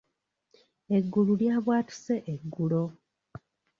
Eggulu lyabwatuse eggulo.